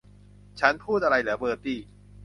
ฉันพูดอะไรหรือ เบอร์ตี้